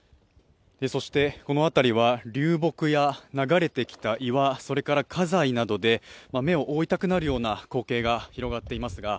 この辺りは流木や流れてきた岩、それから家財などで目を覆いたくなるような光景が広がっています。